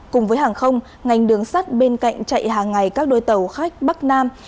cùng với hàng không ngành đường sắt bên cạnh chạy hàng ngày các đôi tàu khách bắc nam